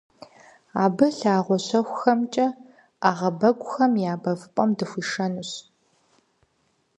Абы лъагъуэ щэхухэмкӀэ ӏэгъэбэгухэм я бэвыпӀэм дыхуишэнущ.